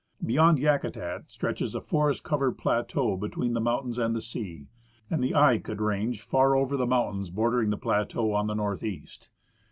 Beyond Yakutat stretches a forest covered plateau between the mountains and the sea, and the eye could range far over the mountains bordering this jjlateau on the northeast.